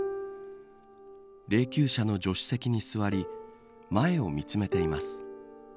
霊きゅう車の助手席に座り前を見つめています。